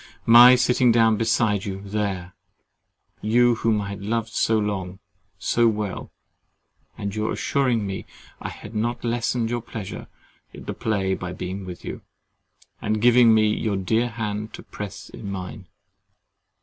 my sitting down beside you there, you whom I had loved so long, so well, and your assuring me I had not lessened your pleasure at the play by being with you, and giving me your dear hand to press in mine!